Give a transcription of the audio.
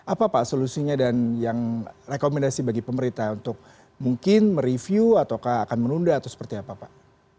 apa pak solusinya dan yang rekomendasi bagi pemerintah untuk mungkin mereview atau akan menunda atau seperti apa pak